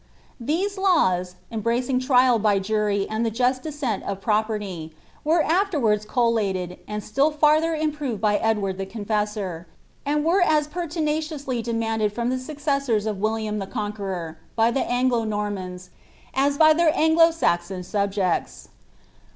These laws, embracing trial by jury and the just descent of property, were afterwards collat^ and still larther improved by Edward the Confessor, and were as pertinaciously de manded from the successors of William the Conqueror, by the Anglo iNormans, as by their Anglo Saxon subjects.